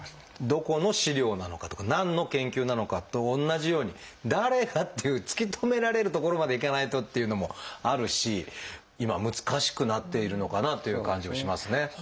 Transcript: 「どこの資料なのか」とか「何の研究なのか」と同じように「誰が」っていう突き止められるところまでいかないとっていうのもあるし今難しくなっているのかなという感じはしますね。